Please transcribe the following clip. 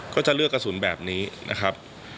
ก็จะเลือกกระสุนแบบนี้นะครับ